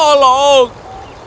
aku harus membantunya